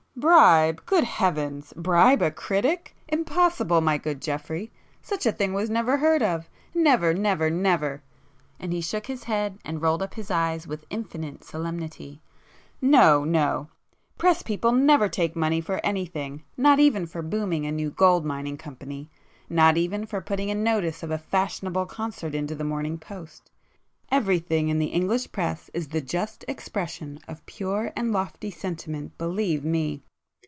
"Bribe! Good Heavens! Bribe a critic! Impossible, my good Geoffrey!—such a thing was never heard of—never, never, never!" and he shook his head and rolled up his eyes with infinite solemnity—"No no! Press people never take money for anything—not even for 'booming' a new gold mining company,—not even for putting a notice of a fashionable concert into the Morning Post. Everything in the English press is the just expression of pure and lofty sentiment, believe me!